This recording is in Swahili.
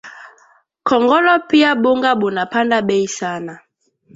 Kongolo pia bunga buna panda bei sana